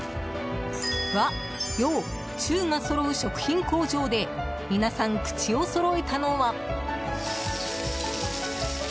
和洋中がそろう食品工場で皆さん、口をそろえたのは。